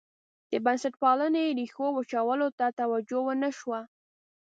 د بنسټپالنې ریښو وچولو ته توجه ونه شوه.